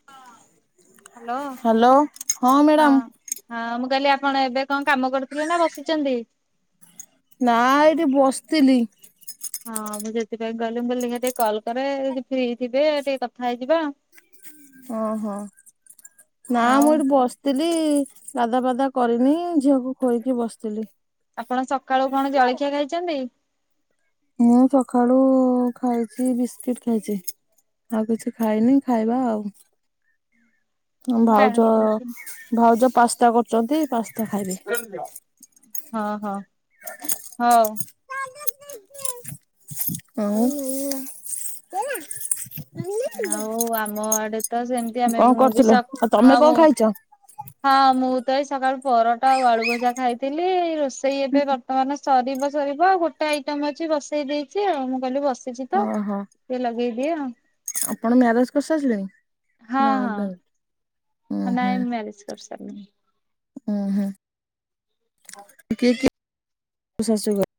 ହଁ। ହ୍ୟାଲୋ ହଁ। ମ୍ୟାଡାମ ହଁ ମୁଁ କହିଲି ଆପଣ ଏବେ କଣ କାମ କରୁଥିଲେ ନା ବସିଛନ୍ତି? ନା ଏଇଠି ବସିଥିଲି। ହଁ ମୁଁ ସେଥିପାଇଁ କହିଲି ମୁଁ କହିଲି ଦେଖିଆ ଟିକେ କଲ୍ କରେ ଯଦି ଫ୍ରି ଥିବେ ଟିକେ କଥା ହେଇଯିବା। ଓହୋ। ନା ଆଉ ମୁଁ ଏଠି ବସି ଥିଲି ଗାଧୁଆ ପାଧୁଆ କରିନି ଝିଅକୁ ଖୋଇକି ବସିଥିଲି। ଆପଣ ସକାଳୁ କଣ ଜଳଖିଆ ଖାଇଛନ୍ତି? ମୁଁ ସକାଳୁ ଖାଇଛି ବିସ୍କିଟ ଖାଇଛି। ଆଉ କିଛି ଖାଇନି ଖାଇବା ଆଉ। ହଁ ଭାଉଜ ଭାଉଜ ପାସ୍ତା କରୁଛନ୍ତି ପାସ୍ତା ଖାଇବେ। ହଁ ହଁ ହଉ। ଆଉ। [unintelligible] ଆଉ ଆମ ଆଡେ ତ ସେମିତିଆ କଣ ମେଘ କରୁଥିଲ ଆଉ ତମେ କଣ [unintelligible] ଖାଇଛ ହଁ ମୁଁ ତ ଏଇ ସକାଳୁ ପରଟା ଆଉ ଆଳୁ ଭଜା ଖାଇଥିଲି। ରୋଷେଇ ଏବେ ବର୍ତ୍ତମାନ ସରିବ ସରିବ ଆଉ ଗୋଟେ ଆଇଟମ୍ ଅଛି ବସେଇ ଦେଇଛି ଆଉ ମୁଁ କହିଲି ବସ ବସିଛି ତ ଓହୋ ଟିକେ ଲଗେଇଦିଏ ଆଉ। ଆପଣ ମ୍ୟାରେଜ କରିସାରିଲେଣି ହଁ ନା ହଁ। ନାଇଁ? ନାଇଁ ମ୍ୟାରେଜ କରିସାରିଲିଣି। ଉଁ ହୁଁ। ହଁ କିଏ କିଏ ଅଛନ୍ତି ଶାଶୁ ଘରେ?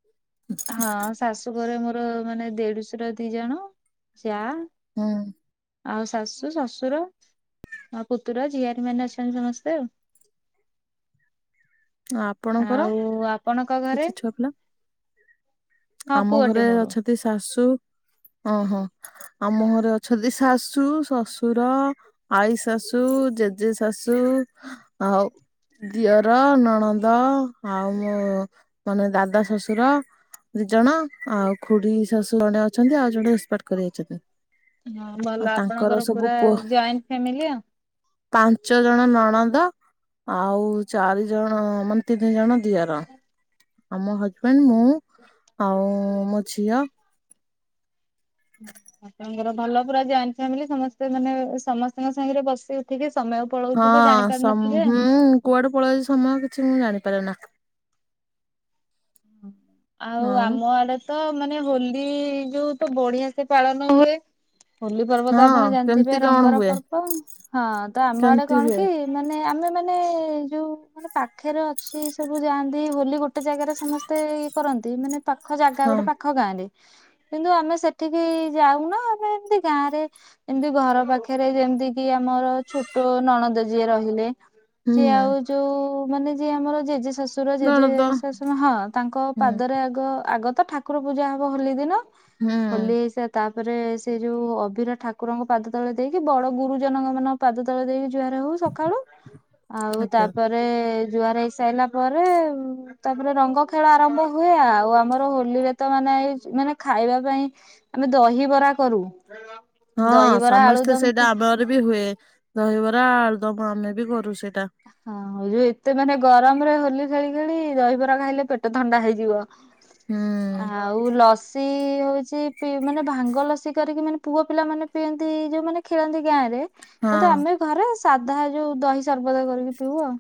ହଁ ଶାଶୁ ଘରେ ମୋର ମାନେ ଦେଢଶୂର ଦି ଜଣ ଯାଆ ହଁ। ଆଉ ଶାଶୁ ଶଶୁର ମୋ ପୁତୁରା ଝିଆରୀ ମାନେ ଅଛନ୍ତି ସମସ୍ତେ ଆଉ। ଆଉଁ ଆପଣଙ୍କର? ଆଉ ଆପଣଙ୍କ ଘରେ କିଛି ଛୁଆ ପିଲା। ହଁ ଆମ ପୁଅଟେ ଘରେ ମୋର ଅଛନ୍ତି ଶାଶୁ ଅଁ ହଁ। ଆମ ଘରେ ଅଛନ୍ତି ଶାଶୁ ଶଶୁର ଆଈ ଶାଶୁ ଜେଜେ ଶାଶୁ ଆଉ ଦିଅର ନଣ ଣନ୍ଦ ଆଉଁ ମୋ ମାନେ ଦାଦା ଶଶୁର ଦି ଜଣ ଆଉ ଖୁଡି ଶାଶୁ ଜଣେ ଅଛନ୍ତି ଆଉ ଜଣେ ଏକ୍ସପାଏଡ୍ କରିଯାଇଛନ୍ତି। ହଁ ଆଉ ଭଲ ତାଙ୍କର ଆପଣଙ୍କର ସବୁ ପୁରା ପୁଅ ଜଏଣ୍ଡେ ଫ୍ୟାମିଲି ଆଉ। ପାଞ୍ଚ ଜଣ ନଣଦ ଆଉଁ ଚାରି ଜଣ ହଁ ମାନେ ତିନି ଜଣ ଦିଅର। ହ [inaudible] ଆଉ ମୋ ହଜବେଣ୍ଡେ ମୁଁ ଆଉ ମୋ ଝିଅ। ହ [inaudible] ତମର ଭଲ ପୁରା ଜଏଣ୍ଡେ ଫ୍ୟାମିଲ୍ ସମସ୍ତେ ମାନେ ସମସ୍ତଙ୍କ ସାଙ୍ଗରେ ବସି ଉଠିକି ସମୟ ହଁ ପଳଉଥିବ ଜାଣି ସମ ପାରୁନଥିବେ। -ହୁଁ କୁଆଡୁ ପଳାଇଯାଏଁ ସମୟ କିଛି ମୁଁ ଜାଣିପାରେ ନାଁ। ଆଉ ହଁ ଆମ ଆଡେ ତ ମାନେ ହୋଲି ଯୋଉଁ ତ ବଢିଆ ସେ ପାଳନ ହୁଏ। ହୋଲି ପର୍ବ ତ ହଁ ଆପଣ ଜାଣିଥିବେ କେମିତି କଣ ରଙ୍ଗର ହୁଏ ପର୍ବ। ହଁ ତ ଆମେ ଆଡେ କେମିତି କଣ ହୁଏ କି? ମାନେ ଆମେ ମାନେ ଯୋଉଁ ମାନେ ପାଖରେ ଅଛି ସବୁ ଯାଆନ୍ତି। ହୋଲି ଗୋଟେ ଜାଗାରେ ସମସ୍ତେ ମୋତେ ଇଏ କରନ୍ତି। ମାନେ ପାଖ ଜାଗା ହଁ ଗୋଟେ ପାଖ ଗାଁରେ କିନ୍ତୁ ଆମେ ସେଠିକି ଯାଉନା ଆମେ ଏମିତି ଗାଁ ରେ। ଏମିତି ଘର ପାଖରେ ଯେମିତି କି ଆମର ଛୋଟ ନଣଦ ଯିଏ ରହିଲେ। ଯିଏ ହୁଁ ଆଉ ଯୋଉଁ ମାନେ ଯିଏ ଆମର ଜେଜେ ଶଶୁର ଜେଜେ ନଣନ୍ଦ ଶାଶୁ ହଁ। ତାଙ୍କ ହୁଁ ପାଦରେ ଆଗ ଆଗ ତ ଠାକୁର ପୂଜା ହବ ହୋଲି ଦିନ ହୁଁ ହୋଲି ସେ ତାଙ୍କ ତାପରେ ସେ ଯୋଉଁ ଅଭିର ଠାକୁରଙ୍କ ପାଦ ତଳେ ଦେଇକି ବଡ ଗୁରୁଜନ ମାନଙ୍କ ପାଦ ତଳେ ଦେଇକି ଜୁହାର ହଉ ସକାଳୁ। ଆଉ ଆଜ୍ଞା ତାପରେ ରେ ଜୁହାର ହେଇ ସାଇଲା ପରେ ତାପରେ ରଙ୍ଗ ଖେଳ ଆରମ୍ଭ ହୁଏ। ଆଉ ଆମର ହୋଲିରେ ତ ମାନେ ଏଇ ମାନେ ଖାଇବା ପାଇଁ ଆମେ ଦହିବରା କରୁ। ହଁ ଦହିବରା ସମସ୍ତେ ସେଇଟା ଆଳୁଦମ ଆମ ଘରେ ବି ହୁଏ। ଦହିବରା ଆଳୁଦମ୍ ଆମେ ବି କରୁ ସେଇଟା। ହଁ ଯୋଉ ଏତେ ମାନେ ଗରମରେ ହୋଲି ଖେଳି ଖେଳି ଦହିବରା ଖାଇଲେ ପେଟ ଥଣ୍ଡା ହେଇଯିବ। ହୁଁ ଆଉ ଲସି ହଉଛି ପି -ମାନେ ଭାଙ୍ଗ ଲସି କରିକି ମାନେ ପୁଅ ପିଲା ମାନେ ପିଅନ୍ତି ଯୋଉମାନେ ଖେଳନ୍ତି ଗାଁ ରେ। କିନ୍ତୁ ହଁ। ଆମେ ଘରେ ସାଧା ଯୋଉ ଦହି ସର୍ ଘୋଳ କରିକି ପିଉ ଆଉ।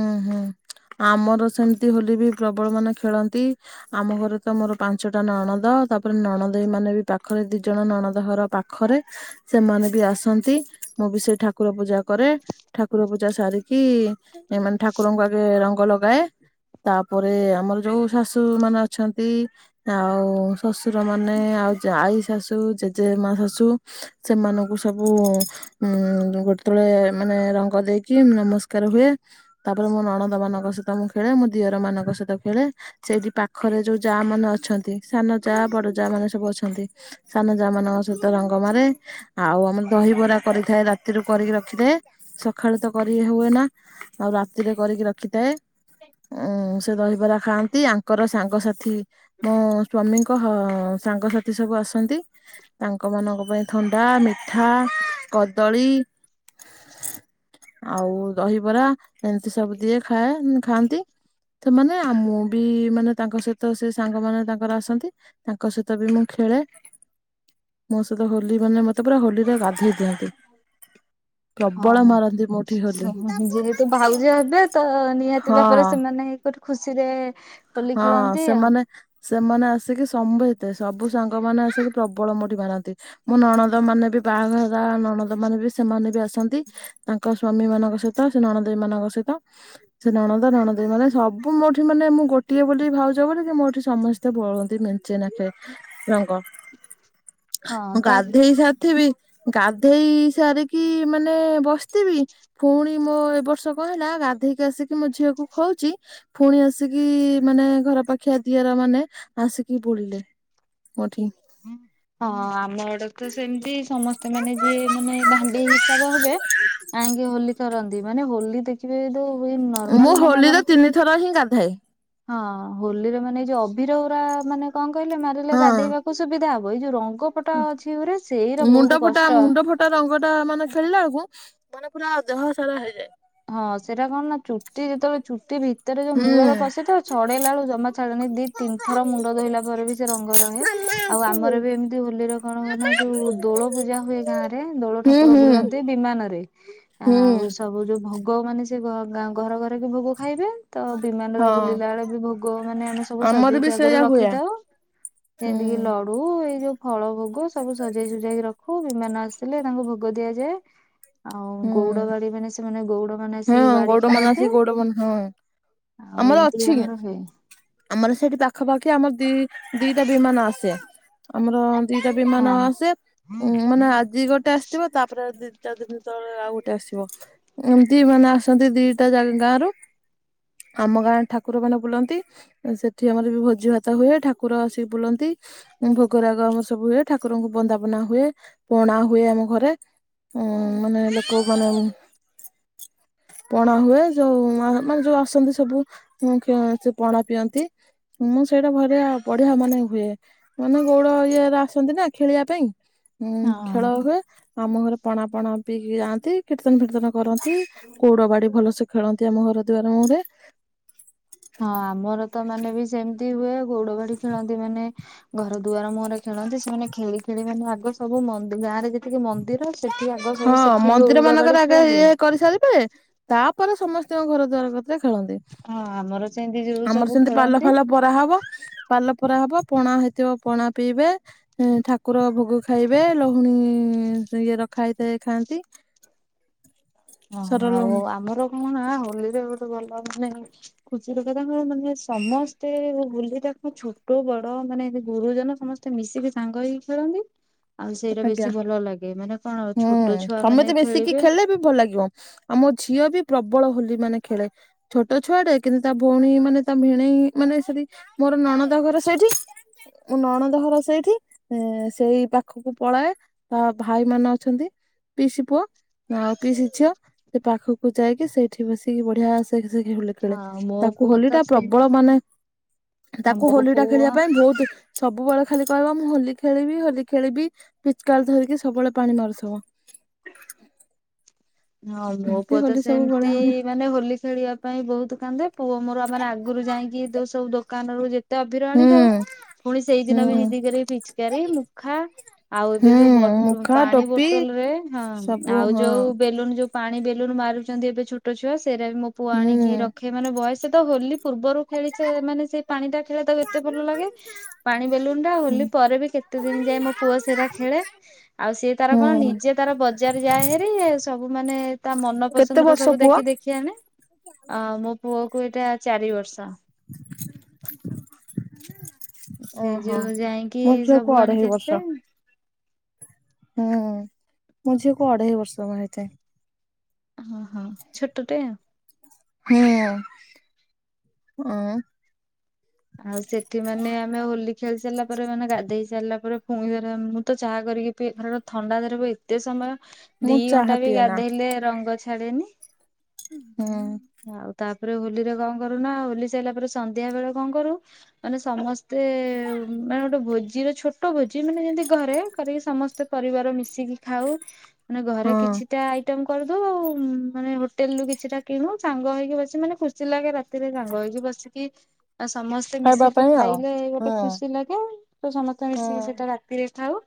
ଅଁ ହଁ ଆମର ସେମିତି ହୋଲି ବି ପ୍ରବଳ ମାନେ ଖେଳନ୍ତି। ଆମ ଘରେ ତ ମୋର ପାଞ୍ଚଟା ନଣଦ ତାପରେ ନଣଦେଇ ମାନେ ବି ପାଖରେ ଦି ଜଣ ନଣଦ ଘର ପାଖ ପାଖରେ ସେମାନେ ବି ଆସନ୍ତି। ମୁଁ ବି ସେଇ ଠାକୁର ପୂଜା କରେ ଠାକୁର ପୂଜା ସାରିକି ଏ ମାନେ ଠାକୁରଙ୍କୁ ଆଗେ ରଙ୍ଗ ଲଗାଏ। ତାପରେ ଆମର ଯୋଉଁ ଶାଶୁ ମାନେ ଅଛନ୍ତି। ଆଉ ଶ୍ୱଶୁର ମାନେ ଆଉ ଯାଆଈ ଶାଶୁ ଜେଜେ ମା ଶାଶୁ ସେମାନଙ୍କୁ ସବୁ ଉଁ ଗୋଡତଳେ ମାନେ ରଙ୍ଗ ଦେଇକି ନମସ୍କାର ହୁଏ। ତାପରେ ମୋ ନଣନ୍ଦମାନଙ୍କ ସହିତ ମୁଁ ଖେଳେ ମୋ ଦିଅର ମାନଙ୍କ ସହିତ ଖେଳେ। ସେଇଠି ପାଖରେ ଯୋଉ ଯାମାନେ ଅଛନ୍ତି ସାନଯା ବଡଯା ମାନେ ସବୁ ଅଛନ୍ତି। ସାନଯା ମାନଙ୍କ ସହିତ ରଙ୍ଗ ମାରେ। ଆଉ ଆମ ଦହିବରା କରିଥାଏ ରାତିରୁ କରିକି ରଖିଥାଏ ସକାଳୁ ତ କରି ହୁଏନା। ଆଉ ରାତିରେ କରିକି ରଖିଥାଏ। ଉଁ ସେ ଦହିବରା ଖାଆନ୍ତି ଆଙ୍କର ସାଙ୍ଗସାଥି ମୋ ସ୍ଵାମୀଙ୍କ ସାଙ୍ଗସାଥି ସବୁ ଆସନ୍ତି। ତାଙ୍କ ମାନଙ୍କ ପାଇଁ ଥଣ୍ଡା ମିଠା କଦଳୀ ଆଉ ଦହିବରା ଏମିତି ସବୁ ଦିଏ ଖାଏ ଖାଆନ୍ତି। ସେମାନେ ମୁଁ ବି ମାନେ ତାଙ୍କ ସହିତ ସେସାଙ୍ଗମାନେ ତାଙ୍କର ଆସନ୍ତି। ତାଙ୍କ ସହିତବି ମୁଁ ଖେଳେ। ମୋ ସହିତ ହୋଲି ମାନେ ମୋତେ ପୁରା ହୋଲିରେ ଗାଧୋଇ ଦିଅନ୍ତି। ପ୍ରବଳ ମାରନ୍ତି ମୋଠି ହୋଲି। ତୋ ଭାଉଜ ହେବେ ତ ନିହାତି ଭାବରେ ହଁ। ସେମାନେ ଗୋଟେ ଖୁସିରେ ହୋଲି ହଁ ଖେଳନ୍ତି ଆଉ ସେମାନେ ସେମାନେ ଆସିକି ସମତେ ସବୁ ସାଙ୍ଗମାନେ ଆସିକି ପ୍ରବଳ ମୋଠି ମାରନ୍ତି। ମୋ ନଣନ୍ଦମାନେବି ବାହାହବା ନଣନ୍ଦମାନେବି ସେମାନେବି ଆସନ୍ତି। ତାଙ୍କ ସ୍ଵାମୀ ମାନଙ୍କ ସହିତ ସେ ନଣଦେଇମାନଙ୍କ ସହିତ ସେ ନଣନ୍ଦ ନଣଦେଇ ମାନେ ସବୁ ମୋଠି ମାନେ ମୁଁ ଗୋଟେ ଟିଏ ବୋଲି ଭାଉଜ ବୋଲିକି ମୋଠି ସମସ୍ତେ ବୋଳନ୍ତି ମେଞ୍ଚେ ନେଖାଏ ରଙ୍ଗ। [inaudible] ମୁଁ ତ ଗାଧେଇ ସାରିଥିବି ଗାଧେଇସାରିକି ମାନେ ବସ ବସିଥିବି ପୁଣି ମୋ ଏ ବର୍ଷ କଣ ହେଲା ଗାଧେଇକି ଆସିକି ମୋ ଝିଅକୁ ଖୋଉଛି ପୁଣି ଆସିକି ମାନେ ଘର ପାଖିଆ ଦିଅରମାନେ ଆସିକି ବୋଳିଲେ ମୋଠି। [unintelligible] ହଁ ଆମ ଆଡେତ ସେମିତି ସମସ୍ତେ ମାନେ ଯିଏ ମାନେ ଭାଣ୍ଡେଇ ହିସାବ ହେବେ। ଯାଇକି ହୋଲି କରନ୍ତି ମାନେ ହୋଲି ଦେଖିବେ ଯୋଉ ହୁଏ ନର୍ମାଲ ମାନେ ଆମର ଦୁ ଥର ହିଁ ଗାଧାଏ। ହଁ ହୋଲିରେ ମାନେ ଏଇ ଯୋଉ ଅଭିରରା ମାନେ କଣ କହିଲେ ମାରିଲେ ହଁ ଗାଧେଇବାକୁ ସୁବିଧା ହବ ଏଇ ଯୋଉ ରଙ୍ଗଫଟା ଅଛି ଗୁରେ ସେଇରା ବହୁତ କଷ୍ଟ। ଫୋଟାରଙ୍ଗଟା ମାନେ ଖେଳିଲାବେଳକୁ ମାନେ ପୁରା ଦେହ ସାରା ହେଇଯାଏ। ହଁ ସେଇଟା କଣ ନା ଚୁଟି ଯେତେବେଳେ ଚୁଟି ଭିତରେ ଭିତରେ ଯୋଉ ହୁଁ ମୂଳରେ ପଶେତ ଛଡେଇଲା ବେଳେ ଜମା ଛାଡେନି ଦି ତିନି ଥର ମୁଣ୍ଡ ଧୋଇଲା ପରେବି ସେରଙ୍ଗ ରହେ। ଆଉ ଆମରବି ଏମିତି ହୋଲିର କଣ ହୁଏନା ଯୋଉ ଦୋଳ ପୂଜା ହୁଏ ଗାଁରେ ହୁଁ ଦୋଳଠାକୁର ହୁଁ ବୁଲନ୍ତି। ବିମାନରେ ଆଉ ହୁଁ ସବୁ ଯୋଉ ଭୋଗ ମାନେ ସେ ଘରଘରେ କି ଭୋଗ ଖାଇବେତ ବିମାନର ହଁ ବୁଲିଲା ବେଳେ ବି ଭୋଗ ମାନେ ଆମେସବୁ ସବୁ ଆମର ସଜେଇକି ବି ଆଗରୁ ସେଇଆ ହୁଏ ରଖିଥାଉ ହୁଁ ଯେମତିକିି ଲଡୁ ହଉ ଏଇ ଯୋଉ ଫଳ ଭୋଗ ସବୁ ସଜେଇ ସୁଜେଇକି ରଖିଥାଉ। ଖୁବ ବିମାନ ଆସିଥିଲେ ତାଙ୍କୁ ଭୋଗ ଦିଆଯାଏ ଆଉ ହୁଁ ଗଉଡ ବାଡିମାନେ ହଁ ଗଉଡମାନେ ଆସିକି ଗଉଡ ହଁ ଆଉ ଆମର ଏମିତି ଅଛି। ହୁଏ ଆମର ସେଇଠି ପାଖାପାଖି ଆମର ଦି ଦିଟା ବିମାନ ଆସେ ଆମର ଦିଇଟା ହଁ ବିମାନ ଆସେ ହଁ ମାନେ ଆଜି ଗୋଟେ ଆସିଥିବ ତାପରେ ଦିଇ ଚାରି ଦିନ। ଆଉ ଗୋଟେ ଆସିବ ଏମତି ମାନେ ଆସନ୍ତି ଦିଟା ଜାଗା ଗାଁରୁ। ଆମ ଗାଁ ଠାକୁର ମାନେ ବୁଲନ୍ତି। ସେଠି ଆମର ବି ଭୋଜି ଭାତ ହୁଏ ଠାକୁର ଆସିକି ବୁଲନ୍ତି। ଭୋଗରାଗ ଆମର ସବୁ ହୁଏ ଠାକୁରଙ୍କୁ ବନ୍ଦାପନା ହୁଏ ପଣା ହୁଏ ଆମ ଘରେ। ଉଁ ମାନେ ଲୋକ ମାନେ ପଣା ହୁଏ ଯୋଉ ମାନେ ଯୋଉ ଆସନ୍ତି ସବୁ ହଁ ସେ ପଣା ପିଅନ୍ତି। ମୁଁ ସେଇଟା ଘରେ ବଢିଆ ମାନେ ହୁଏ ମାନେ ଗୌଡ଼ ଇଏରେ ଆସନ୍ତି ନା ଖେଳିବା ପାଇଁ ଉଁ ଖେଳ ହୁଏ ଆମ ଘରେ ପଣା ପଣା ପିକି ଯାଆନ୍ତି କୀର୍ତ୍ତନ ଫୀର୍ତ୍ତନ କରନ୍ତି। ଗୋଡ ବାଡି ଭଲସେ ଖେଳନ୍ତି ଆମ ଘର ଦୁଆର ମୁହଁରେ। ହଁ ଆମର ତ ମାନେ ବି ସେମିତି ହୁଏ ଗୋଡ ବାଡି ଖେଳନ୍ତି ମାନେ ଘର ଦୁଆର ମୁହଁରେ ଖେଳନ୍ତି ସେମାନେ ଖେଳି ଖେଳି ମାନେ ଆଗ ସବୁ ଗାଁରେ ଯେତିକି ମନ୍ଦିର ସେ ହଁ ମନ୍ଦିର ମାନଙ୍କରେ ଆଗେ ହୁଏ। ଇଏ କରିସାରିବେ। ତାପରେ ସମସ୍ତଙ୍କ ଘର ଦ୍ୱାର କତିରେ ଖେଳନ୍ତି ହଁ ଆମର ସେମିତି ଯୋଉ ଆମର ସବୁ ସେମିତି ପାଲ ଖେଳନ୍ତି ଫାଲ ପରା ହବ ପାଲ ପରା ହବ ପଣା ହେଇଥିବ ପଣା ପିଇବେ। ଇଁ ଠାକୁର ଭୋଗ ଖାଇବେ ଲହୁଣୀ ଇଏ ର ଖାଇ ଦଇ ଖାଆନ୍ତି। ହ ସର ଆଉ ଲହୁଣୀ ଆମର କଣ ହୋଲିରେ ଗୋଟେ ଭଲ ମାନେ ଖୁସି ଲୋକ ତାଙ୍କର ମାନେ ସମସ୍ତେ ହୋଲି ଟାକୁ ଛୋଟ ବଡ ମାନେ ଗୁରୁଜନ ସମସ୍ତେ ତେ ମିଶିକି ସାଙ୍ଗ ହେଇକି ଖେଳନ୍ତି। ଆଉ ସେଇଟା ଆଜ୍ଞା। ବେଶୀ ଭଲ ଲାଗେ ମାନେ କଣ ଛୋଟ ହୁଁ ଛୁଆ ସମସ୍ତେ ମାନେ ମିଶିକି ଖେଳିବେ ଖେଳିଲେ ଭଲ ଲାଗିବ ଆମ ଝିଅ ବି ପ୍ରବଳ ହୋଲି ମାନେ ଖେଳେ। ଛୋଟ ଛୁଆଟେ କିନ୍ତୁ ତା ଭଉଣୀ ମାନେ ତା ଭିଣେଇ ମାନେ ସେଠି ମୋର ନଣଦ ଘର ସେଇଠି ମୁଁ ନଣଦ ଘର ସେଇଠି ସେଇ ପାଖକୁ ପଳାଏ ତା ଭାଇ ମାନେ ଅଛନ୍ତି। ପିସି ପୁଅ ଆଉ ପିସି ଝିଅ ସେ ପାଖକୁ ଯାଇକି ସେଇଠି ବସିକି ବଢିଆ ସେଇଠି ଯାଇ ହୋଲି ଖେଳେ ହଁ ମୋ ତାକୁ ପୁଅ ହୋଲି ତ ଟା ସେ ପ୍ରବଳ ମାନେ ତାକୁ ମୋ ହୋଲି ଟା ପୁଅ ଖେଳିବା ପାଇଁ ବହୁତ ସବୁବେଳେ ଖାଲି କହିବ ମୁଁ ହୋଲି ଖେଳିବି ହୋଲି ଖେଳିବି ପିଚକାର ଧରିକି ସବୁବେଳେ ପାଣି ମାରୁଥିବ। ହଁ ମୋ ଏମିତି ପୁଅ ତ ହୋଲି ସବୁ ସେମିତି ବଢିଆ ହୁଏ। ମାନେ ହୋଲି ଖେଳିବା ପାଇଁ ବହୁତ କାନ୍ଦେ ପୁଅ ମୋର ଆମେ ଆଗରୁ ଯାଇକି ଯୋଉ ସବୁ ଦୋକାନରୁ ତ ଅଭିର ହୁଁ ଆଣିଥାଉ ପୁଣି ହୁଁ ସେଇଦିନ ବି ଜିଦି କରି ପିଚିକାରୀ ମୁଖା ଆଉ ଏବେ ହୁଁ ଯୋଉ ମୁଖା ପାଣି ଟୋପି ବୋଟଲ ରେ ହଁ ସବୁ ଆଉ ହଁ ଯୋଉ ବେଲୁନ୍ ଯୋଉ ପାଣି ବେଲୁନ୍ ମାରୁଛନ୍ତି ଏବେ ଛ ଛୋଟ ଛୁଆ ସେଟା ମୋ ପୁଅ ଆଣିକି ହୁଁ ରଖେ ମାନେ ବୟସ ତ ହୋଲି ପୂର୍ବରୁ ଖେଳିଛ ମାନେ ସେଇ ପାଣି ଟା ଖେଳିବା ତାକୁ ଏତେ ଭଲ ଲାଗେ। ପାଣି ବେଲୁନ ଟା ହୋଲି ପରେ ବି କେତେ ଦିନ ଯାଏ ମୋ ପୁଅ ସେଟା ଖେଳେ। ଆଉ ସିଏ ତାର କଣ ହୁଁ ନିଜେ ତାର ବଜାର ଯାଏ ହେରି ସବୁ ମାନେ ତା ମନ କେତେ ପସନ୍ଦ ର ବର୍ଷ ସବୁ ପୁଅ? ଦେଖି ଦେଖି ସିଏ ଆଣେ ମୋ ପୁଅ କୁ ଏଇଟା ଚାରି ବର୍ଷ। [unintelligible] ସେ ଓହୋ ଯୋଉ ଯାଇକି ମୋ ଝିଅକୁ ସବୁ ଆଣିକି ଅଢେଇ ଆସେ। ବର୍ଷ। ହୁଁ ମୋ ଝିଅକୁ ଅଢେଇ ବର୍ଷ ହେଇଥାଏ। ଓହୋ ଛୋଟ ଟେ ଆଉ। ହୁଁ ଉଁ। ଆଉ ସେଠି ମାନେ ଆମେ ହୋଲି ଖେଳି ସାରିଲା ପରେ ମାନେ ଗାଧେଇ ସାରିଲା ପରେ ପୁଣି ଧର ମୁଁ ତ ଚାହା କରିକି [inaudible] ଥଣ୍ଡା ଧରିବ ଏତେ ସମୟ ମୁଁ ଦି ଘଣ୍ଟା ଚାହା ବି ପିଏ ନା ଗାଧେଇଲେ ରଙ୍ଗ ଛାଡେନି। ହଁ। ଆଉ ତାପରେ ହୋଲି ରେ କଣ କରୁନା ହୋଲି ସାରିଲା ପରେ ସନ୍ଧ୍ୟା ବେଳେ କଣ କରୁ ମାନେ ସମସ୍ତେ ମାନେ ଗୋଟେ ଭୋଜିର ଛୋଟ ଛୋଟ ଭୋଜି ମାନେ ଯେମତି ଘରେ କରିକି ସମସ୍ତେ ପରିବାର ମିଶିକି ଖାଉ ମାନେ ହଁ ଘରେ କିଛିଟା ଆଇ ଆଇଟମ କରିଦୁ ଆଉ ମାନେ ହୋଟେଲ ରୁ କିଛିଟା କିଣୁ ସାଙ୍ଗ ହେଇକି ବସି ମାନେ ଖୁସି ଲାଗେ ରାତି ସେଥିରେ ସାଙ୍ଗ ହେଇକି ବସିକି ଆଉ ସମସ୍ତେ ଖାଇବା ମିଶିକି ପାଇଁ ଆଉ ଖାଇଲେ ହଁ ଗୋଟେ ଖୁସି ଲାଗେ ଆଉ ତ ସମସ୍ତେ ମିଶିକି ସେଇଟା ରା ତି ରେ ଖାଉ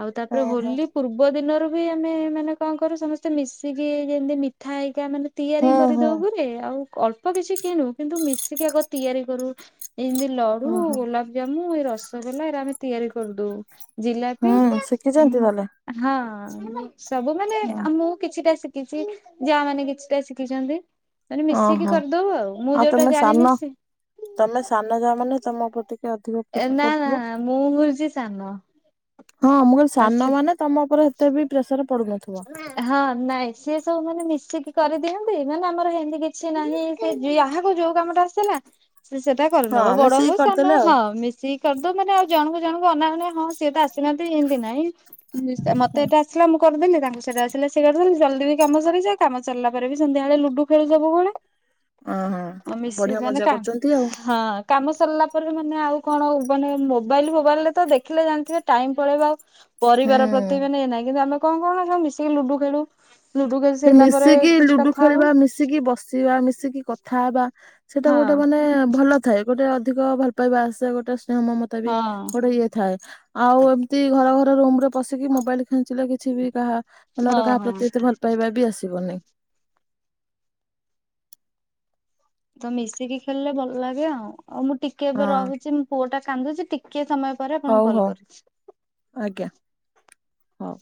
ଆଉ ହଁ ତାପରେ ହଁ ହୋଲି ପୂର୍ବ ଦିନରୁ ବି ଆମେ ମାନେ କଣ କରୁ ସମସ୍ତେ ମିଶିକି ଯେମିତି ମିଠା ହେଇକା ମାନେ ତିଆରି ହଁ ହଁ କରିଦୋଉ ଘରେ ଆଉ ଅଳ୍ପ କିଛି କିଣୁ କିନ୍ତୁ ମିଶିକି ଆଗ ତିଆରି କରୁ। ଏମିତି ଲଡୁ ହଁ ହଁ ଗୋଲାପଜାମୁ ଏଇ ରସଗୋଲା ଏରା ଆମେ ତିଆରି କରିଦୋଉ। ଜିଲାପି ହଁ ଶିଖିଛନ୍ତି ତାହେଲେ ହଁ ସବୁ ମାନେ ଆ ମୁଁ କିଛିଟା ଶିକିଚି ଯା ମାନେ କିଛିଟା ଶିଖିଛନ୍ତି। ମାନେ ମିଶିକି ଓହୋ କରିଦଉ ଆଉ ମୁଁ ଯୋଉଟା ତମେ ସାନ ଜାଣିନି ସେ ତମେ ସାନ ଯା ମାନେ ତମ ଉପରେ ଟିକେ ଅଧିକ ପ୍ରେଶ ନା ନା ପଡୁଥିବ। ମୁଁ ହଉଛି ସାନ ହଁ ମୁଁ କହିଲି ଆସ ସାନ ମାନେ ତମ ଉପରେ ଏତେ ବି ପ୍ରେସର ପଡୁନ ହଁ ନାଇଁ ସିଏ ସବୁ ମାନେ ମିଶିକି କରିଦିଅନ୍ତି ମାନେ ଆମର ହେମିତି କିଛି ନାହିଁ ସେ ଯାହାକୁ ଯୋଉ କାମ ଟା ଆସିଲା ସେଟା ହଁ କରିନବ ବଡ ମିଶିକି ହଉ ସାନ କରିଦେଲେ ହଉ ଆଉ। ହଁ ମିସ ସି କରିଦଉ ମାନେ ଆଉ ଜଣଙ୍କୁ ଜଣଙ୍କୁ ଅନା ମାନେ ହଁ ସିଏ ତ ଆସିନାହାନ୍ତି ଏମିତି ନାଇଁ ମତେ ହୁଁ ଏଇଟା ଆ ସିଲା ମୁଁ କରିଦେଲି। ତାଙ୍କୁ ସେଇଟା ଆସିଲ ସେ କରିଦେଲେ ଜଲ୍ଦି ବି କାମ ସରିଯାଏ କାମ ସରିଲା ପରେ ବି ସନ୍ଧ୍ୟାବେଳେ ଲୁଡୁ ଖେଳୁ ସବୁ ବେଳେ। ଅଁ ହଁ। ଅ ମିସି ବଢିଆ ମେନେ ମଜା କା କରୁଛନ୍ତି ଆଉ। ହଁ। କାମ ସରିଲା ପରେ ମାନେ ଆଉ କଣ ମାନେ ମୋବାଇଲ ଫୋବାଇଲରେ ତ ଦେଖିଲେ ଜାଣିଥିବେ ଟାଇମ ପଳେଇବ ଆଉ ହୁଁ ପରିବାର ପ୍ରତି ବି ଇଏ ନାହିଁ କିନ୍ତୁ ଆମେ କଣ କରୁନା ସବୁ ମିଶିକି ଲୁଡୁ ଖେଳୁ। ଲୁଡୁ ଖେଳି ସେ ସାରିଲା ପରେ ମିଶିକି କିଛି ଲୁଡୁ କଥା ଖେଳିବା ହୋଉ। ମିଶିକି ବସିବା ମିଶିକି କଥା ହବା ସେଇଟା ହଁ ଗୋଟେ ମାନେ ଭଲ ଥାଏ। ଗୋଟେ ଅଧିକ ଭଲ ପାଇବା ଆସେ ଗୋଟେ ସ୍ନେହ ମମତା ବି ହଁ ଗୋଟେ ଇଏ ଥାଏ। ଆଉ ଏମିତି ଘର ଘର ରୁମ୍ ରେ ପଶିକି ମୋବାଇଲ ଖେଞ୍ଚିଲେ କିଛି ବି କାହା ମାନେ ହଁ ଗୋଟେ କାହା ହଁ ପ୍ରତି ଏତେ ଭଲ ପାଇବା ବି ଆସିବନେଇ। ତ ମିଶିକି ଖେଳିଲେ ଭଲ ଲାଗେ ଆଉ ଆଉ ମୁଁ ଟିକି ଟିକେ ହଁ ଏବେ ରହୁଚି ମୋ ପୁଅ ଟା କାନ୍ଦୁଚି ଟିକେ ସମୟ ପରେ ଆପଣଙ୍କୁ ହଉ କଲ୍ ହଉ କରୁଚି। ଆଜ୍ଞା। ହଉ।